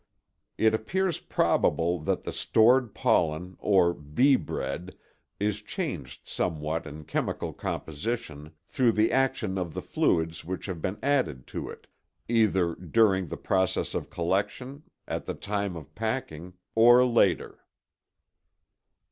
It appears probable that the stored pollen or "beebread" is changed somewhat in chemical composition through the action of the fluids which have been added to it, either during the process of collection, at the time of packing, or later.